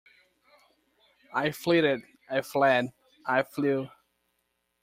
I flitted, I fled, I flew.